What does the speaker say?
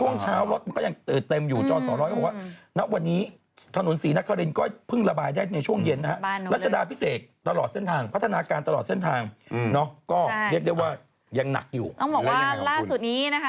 นักอยู่หรือว่าอย่างไรบ้างคุณต้องบอกว่าล่าสุดนี้นะคะ